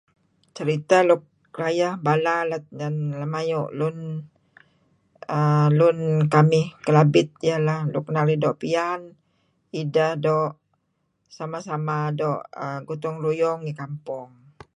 Ceriteh luk rayeh bala lem ayu' lun err lun kamih Kelabit ialah nuk inan narih doo' piyan ideh doo' sama-sama doo' gotong-royong ngi kampong.